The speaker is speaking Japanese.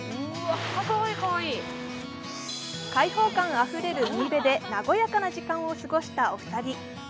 開放感あふれる海辺で和やかな時間を過ごしたお二人。